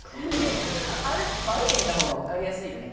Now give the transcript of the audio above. まあ歩いてみた方が分かりやすいよね。